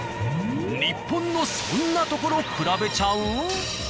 日本のそんなところ比べちゃう？